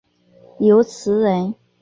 刘词人。